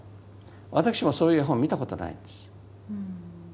私もそういう絵本見たことないんです。